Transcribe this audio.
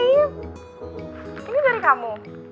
bapak ini dari kamu